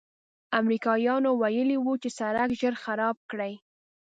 امریکایانو ویلي و چې سړک ژر خراب کړي.